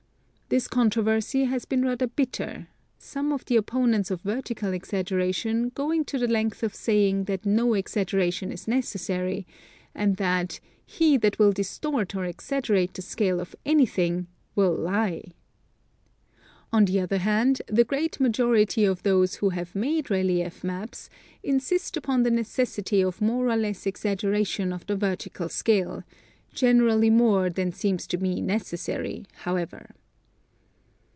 This controversy has been rather bitter ; some of the opponents of vertical exaggeration going to the length of saying that no exaggeration is necessary, and that " he that will distort or exaggerate the scale of anything will lie." On the other hand the great majority of those who have made relief ma]3S insist upon the necessity of more or less exaggeration of the vertical scale — generally more than seems to me necessary, however.